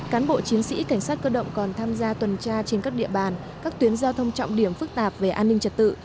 cán bộ chiến sĩ cảnh sát cơ động còn tham gia tuần tra trên các địa bàn các tuyến giao thông trọng điểm phức tạp về an ninh trật tự